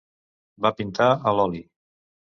Va pintar a l'oli.